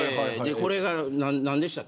これが何でしたっけ。